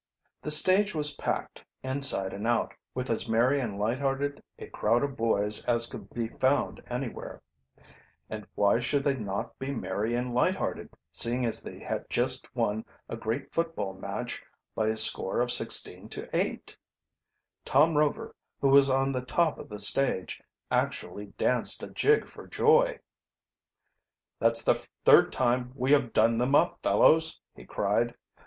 The stage was packed, inside and out, with as merry and light hearted a crowd of boys as could be found anywhere; and why should they not be merry and light hearted, seeing as they had just won a great football match by a score of 16 to 8? Tom Rover, who was on the top of the stage, actually danced a jig for joy. "That's the third time we have done them up, fellows!" he cried.